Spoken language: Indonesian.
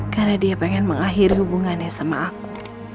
karena dia pengen mengakhiri hubungannya sama aku